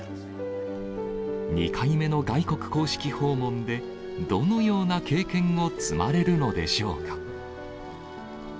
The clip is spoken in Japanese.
２回目の外国公式訪問で、どのような経験を積まれるのでしょうか。